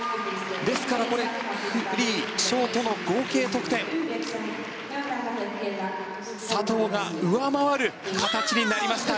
ですからフリー、ショートの合計得点佐藤が上回る形になりました。